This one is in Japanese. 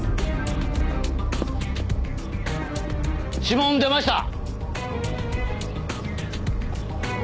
指紋出ました！